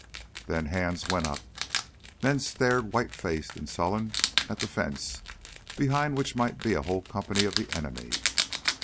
Then hands were up, men stared white faced and sullen at the fence behind which might be a whole company of the enemy.